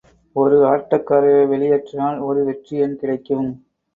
ஒரு ஆட்டக்காரரை வெளியேற்றினால், ஒரு வெற்றி எண் கிடைக்கும்.